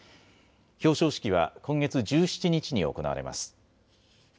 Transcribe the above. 表彰式は今月１７日に行われます。